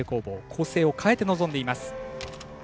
構成を変えて臨んでいます。